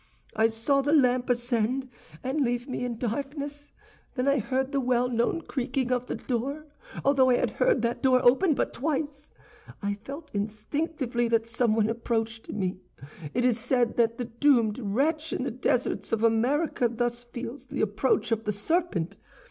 "I saw the lamp ascend, and leave me in darkness; then I heard the well known creaking of the door although I had heard that door open but twice. "I felt instinctively that someone approached me; it is said that the doomed wretch in the deserts of America thus feels the approach of the serpent.